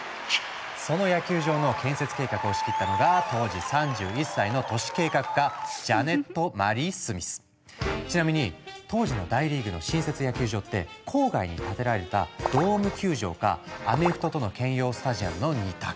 その野球場の建設計画を仕切ったのがちなみに当時の大リーグの新設野球場って郊外に建てられたドーム球場かアメフトとの兼用スタジアムの２択。